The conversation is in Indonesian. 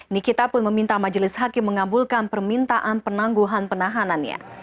nikita pun meminta majelis hakim mengabulkan permintaan penangguhan penahanannya